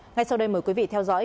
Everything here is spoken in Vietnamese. ngay sau đây mời quý vị theo dõi